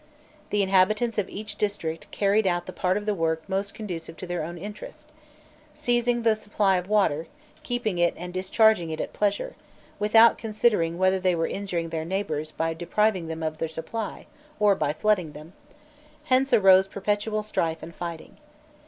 The inhabitants of each district carried out the part of the work most conducive to their own interest, seizing the supply of water, keeping it and discharging it at pleasure, without considering whether they were injuring their neighbours by depriving them of their supply or by flooding them; hence arose perpetual strife and fighting.